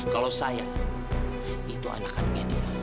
kalau saya itu anak kandungnya dia